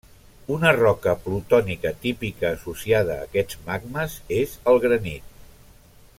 Una roca plutònica típica associada a aquests magmes és el granit.